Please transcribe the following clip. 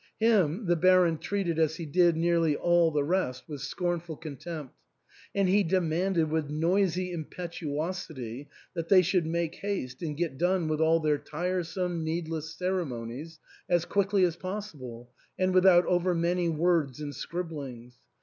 Him the Baron treated as he did nearly all the rest, with scornful contempt ; and he de manded with noisy impetuosity that they should make haste and get done with all their tiresome needless cere monies as quickly as possible and without over many words and scribblings.